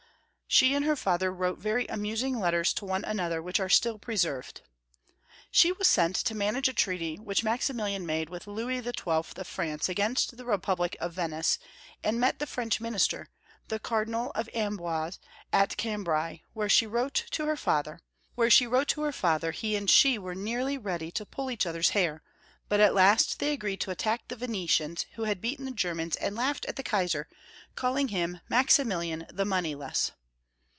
She and her father wrote very amusing letters to one another, wliich are still preserved. She was sent to manage a treaty which Maxi milian made with Louis XII. of France against the republic of Venice, and met the French minister, the Cardinal of Amboise, at Cambrai, where she wrote to her father he and she were nearly ready to pull each other's hair, but at last they agreed to attack the Venetians, who had beaten the Ger mans and laughed at the Kaisar, calling him Max imilian the moneyless.